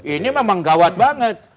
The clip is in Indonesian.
ini memang gawat banget